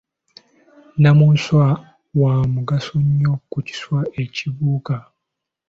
Namunswa wa mugaso nnyo mu kiswa ekibuuka.